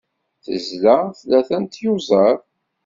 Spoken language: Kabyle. Tezla tlata n tyuẓaḍ.